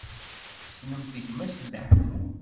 Tessnemt gma-s n Dda Ḥemmu?